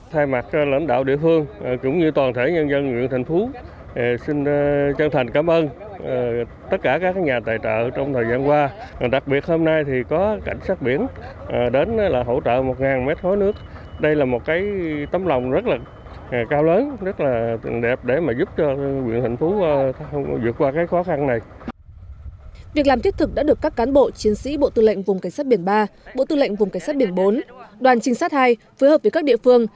việc làm thiết thực đã được các cán bộ chiến sĩ bộ tư lệnh vùng cảnh sát biển ba bộ tư lệnh vùng cảnh sát biển bốn đoàn chính sát hai phối hợp với các địa phương